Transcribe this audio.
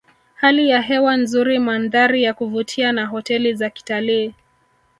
Hali ya hewa nzuri mandhari ya kuvutia na hoteli za kitalii